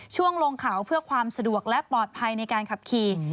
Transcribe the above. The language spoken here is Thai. ช่วงลงเขาเพื่อความสะดวกและปลอดภัยในการขับขี่